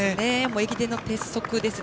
駅伝の鉄則ですね。